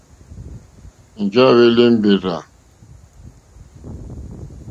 Njɛ̂ à hwélí mbèrzà.